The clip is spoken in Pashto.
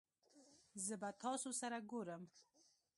زه به تاسو سره ګورم